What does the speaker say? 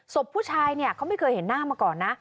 ศพผู้ชายเนี่ยเขาไม่เคยเห็นหน้ามาก่อนนะ